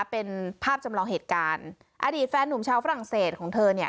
เป็นภาพจำลองเหตุการณ์อดีตแฟนหนุ่มชาวฝรั่งเศสของเธอเนี่ย